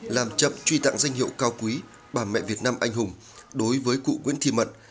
làm chậm truy tặng danh hiệu cao quý bà mẹ việt nam anh hùng đối với cụ nguyễn thi mận